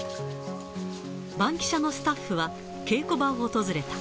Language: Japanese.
バンキシャのスタッフは、稽古場を訪れた。